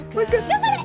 頑張れ！